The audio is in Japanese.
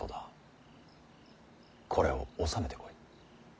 これを収めてこい。